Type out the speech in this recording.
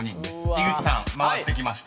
井口さん回ってきました］